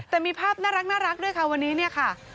แต่มีภาพน่ารักด้วยค่ะวันนี้เนี่ยค่ะ